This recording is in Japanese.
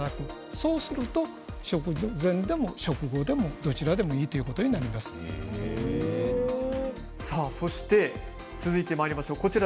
そうすると食前でも食後でもどちらでもいいということに続いてまいります。